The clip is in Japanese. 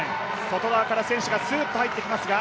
外側から選手がすーっと入ってきますが。